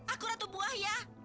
aku ratu buah ya